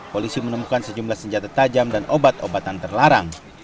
polisi menemukan sejumlah senjata tajam dan obat obatan terlarang